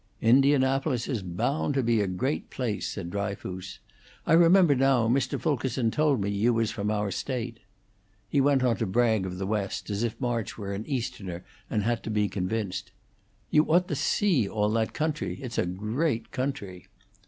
"Indianapolis is bound to be a great place," said Dryfoos. "I remember now, Mr. Fulkerson told me you was from our State." He went on to brag of the West, as if March were an Easterner and had to be convinced. "You ought to see all that country. It's a great country."